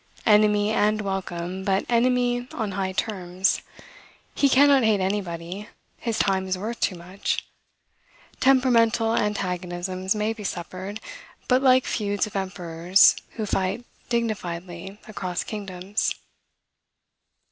Enemy and welcome, but enemy on high terms. He cannot hate anybody; his time is worth too much. Temperamental antagonisms may be suffered, but like feuds of emperors, who fight dignifiedly across kingdoms.